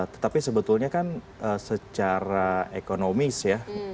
tetapi sebetulnya kan secara ekonomis ya